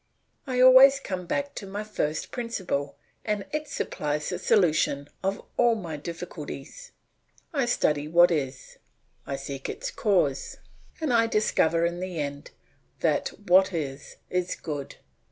I always come back to my first principle and it supplies the solution of all my difficulties. I study what is, I seek its cause, and I discover in the end that what is, is good.